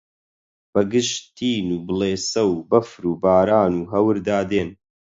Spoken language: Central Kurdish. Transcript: بەگژ تین و بڵێسە و بەفر و باران و هەوردا دێن